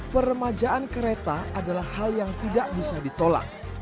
peremajaan kereta adalah hal yang tidak bisa ditolak